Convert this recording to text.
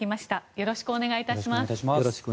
よろしくお願いします。